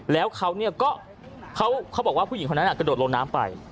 แล้วเขาก็เขาบอกว่าผู้หญิงคนนั้นกระโดดลงน้ำไป